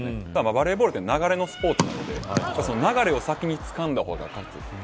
バレーボールって流れのスポーツなので流れを先につかんだ方が勝つ。